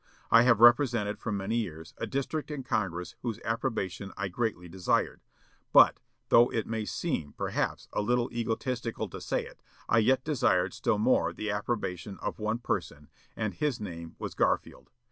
I have represented for many years a district in Congress whose approbation I greatly desired; but, though it may seem, perhaps, a little egotistical to say it, I yet desired still more the approbation of one person, and his name was Garfield.